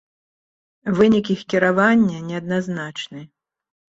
Вынік іх кіравання неадназначны.